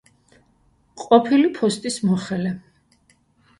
ყოფილი ფოსტის მოხელე.